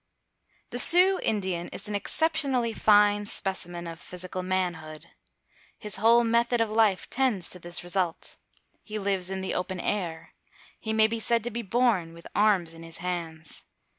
The Sioux Indian is an exceptionally fine specimen of physical manhood. His whole method of life tends to this result. He lives in the open air. He may be said to be born with arms in his hands.